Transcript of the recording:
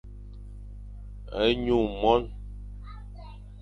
Nyu mon.